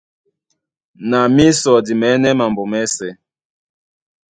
Na mísɔ di mɛ̌nɛ́ mambo mɛ́sɛ̄.